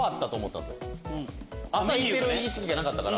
朝行ってる意識がなかったから。